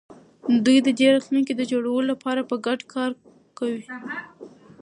دوی د دې راتلونکي د جوړولو لپاره په ګډه کار کوي.